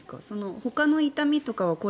ほかの痛みとかは。